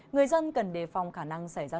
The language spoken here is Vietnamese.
người dân cần đề phòng khả năng xảy ra